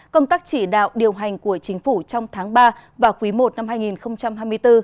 công tác chỉ đạo điều hành của chính phủ trong tháng ba và quý i năm hai nghìn hai mươi bốn